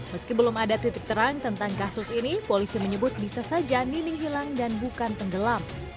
meski belum ada titik terang tentang kasus ini polisi menyebut bisa saja nining hilang dan bukan tenggelam